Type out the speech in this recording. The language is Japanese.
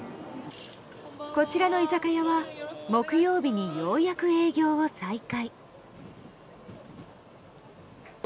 こちらの居酒屋は木曜日にようやく営業を再開。